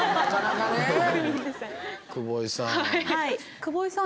久保井さん。